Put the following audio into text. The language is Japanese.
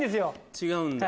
違うんだ。